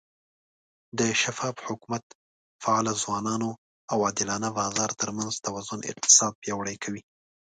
د شفاف حکومت، فعاله ځوانانو، او عادلانه بازار ترمنځ توازن اقتصاد پیاوړی کوي.